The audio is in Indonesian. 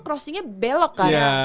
crossingnya belok kan iya